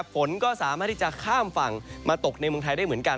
ฝนก็สามารถที่จะข้ามฝั่งมาตกในเมืองไทยได้เหมือนกัน